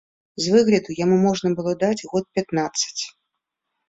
З выгляду яму можна было даць год пятнаццаць.